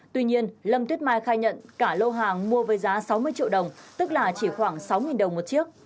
tuy nhiên lâm tuyết mai khai nhận cả lô hàng mua với giá sáu mươi triệu đồng tức là chỉ khoảng sáu đồng một chiếc